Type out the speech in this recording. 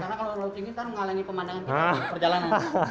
karena kalau terlalu tinggi kita mengalangi pemandangan perjalanan